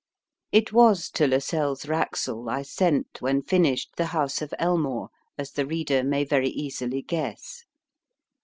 It was to Lascelles Wraxall I sent, when finished, The House of Elmore, as the reader may very easily guess.